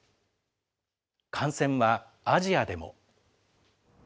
感染はアジアでも。